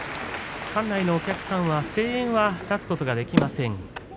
館内のお客さんは声援は出すことはできません。